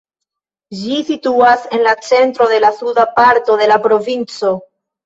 Ĝi situas en la centro de la suda parto de la provinco.